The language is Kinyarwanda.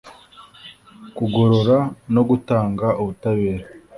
kugorora no gutanga ubutabera